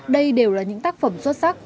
đây đều là những tác phẩm xuất sắc